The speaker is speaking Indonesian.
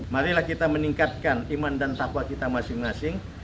marilah kita meningkatkan iman dan takwa kita masing masing